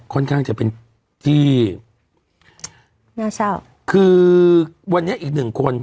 ค่อนข้างจะเป็นที่น่าเศร้าคือวันนี้อีกหนึ่งคน